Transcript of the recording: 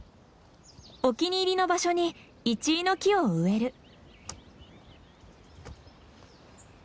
お気に入りの場所にイチイの木を植える。